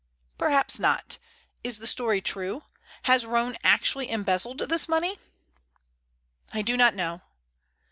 "Perhaps not. Is the story true? Has Roane actually embezzled this money?" "I do not know."